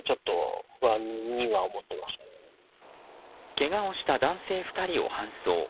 けがをした男性２人を搬送。